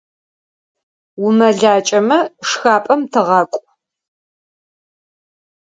УмэлакӀэмэ, шхапӀэм тыгъакӀу.